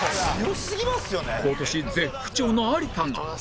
今年絶不調の有田が